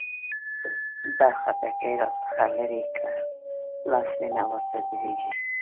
دا خټکي را څخه لري کړه؛ لاس مې نه ورته درېږي.